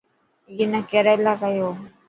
اي نا ڪيريلا ڪيو.